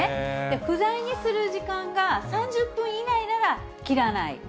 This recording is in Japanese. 不在にする時間が３０分以内なら切らない。